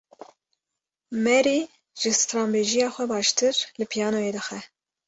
Mary ji stranbêjiya xwe baştir li piyanoyê dixe.